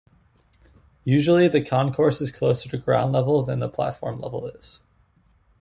Usually, the concourse is closer to ground level than the platform level is.